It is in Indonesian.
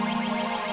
mama nggak peduli